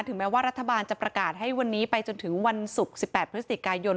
แม้ว่ารัฐบาลจะประกาศให้วันนี้ไปจนถึงวันศุกร์๑๘พฤศจิกายน